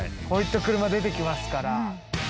こういった車出てきますから。